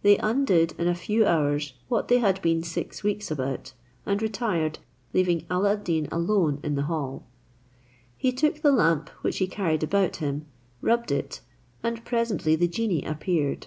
They undid in a few hours what they had been six weeks about, and retired, leaving Alla ad Deen alone in the hall. He took the lamp which he carried about him, rubbed it, and presently the genie appeared.